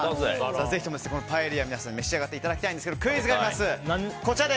ぜひともパエリアを皆さんに召し上がっていただきたいんですがクイズがあります。